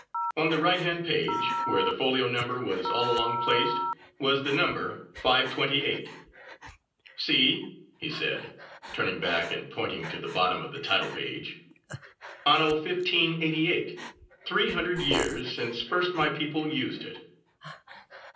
On the right hand page, where the folio number was all along placed was the number 528. "See," he said, turning back and pointing to the bottom of the title page "Anno 1588. Three hundred years, since first my people used it."